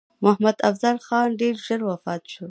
محمدافضل خان ډېر ژر وفات شو.